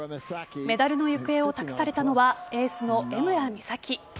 メダルの行方を託されたのはエースの江村美咲。